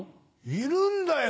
いるんだよ！